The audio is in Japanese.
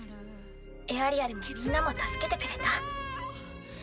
エアリアルもみんなも助けてくれた。